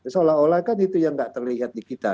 seolah olah kan itu yang gak terlihat di kita